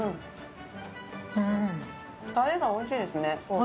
タレがおいしいですねソースが。